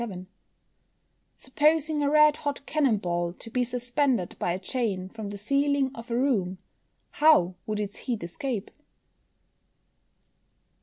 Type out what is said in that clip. _Supposing a red hot cannon ball to be suspended by a chain from the ceiling of a room, how would its heat escape?